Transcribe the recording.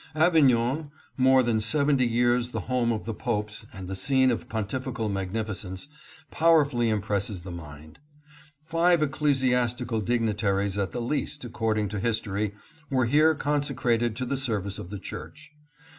Avignon, more than seventy years the home of the popes and the scene of pontifical magnificence, pow erfully impresses the mind. Five ecclesiastical digni AVIGNON. 685 taries at the least, according to history, were here consecrated to the service of the church.